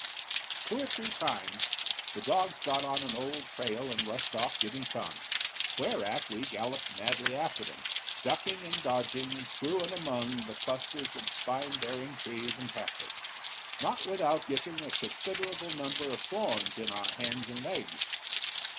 Two or three times the dogs got on an old trail and rushed off giving tongue, whereat we galloped madly after them, ducking and dodging through and among the clusters of spine bearing tress and cactus, not without getting a considerable number of thorns in our hands and legs.